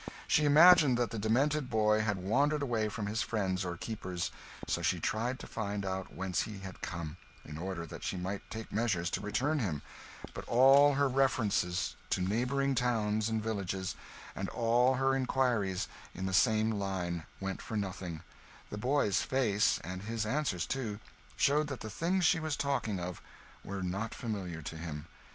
She imagined that the demented boy had wandered away from his friends or keepers; so she tried to find out whence he had come, in order that she might take measures to return him; but all her references to neighbouring towns and villages, and all her inquiries in the same line went for nothing the boy's face, and his answers, too, showed that the things she was talking of were not familiar to him.